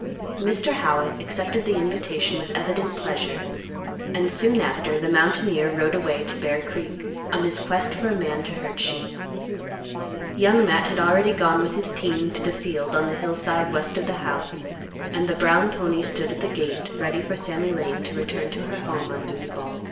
Mr. Howitt accepted the invitation with evident pleasure, and, soon after, the mountaineer rode away to Bear Creek, on his quest for a man to herd sheep. Young Matt had already gone with his team to the field on the hillside west of the house, and the brown pony stood at the gate ready for Sammy Lane to return to her home on Dewey Bald.